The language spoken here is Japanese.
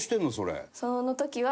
その時は。